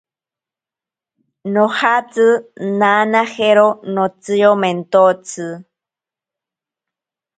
Nojatsi nanajero notsiomentotsi.